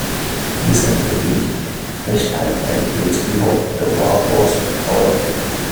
He served in Egypt, Palestine, and Greece before the war was over.